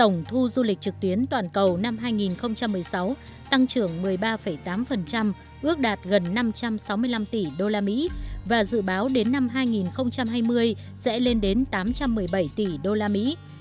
nền cầu năm hai nghìn một mươi sáu tăng trưởng một mươi ba tám ước đạt gần năm trăm sáu mươi năm tỷ usd và dự báo đến năm hai nghìn hai mươi sẽ lên đến tám trăm một mươi bảy tỷ usd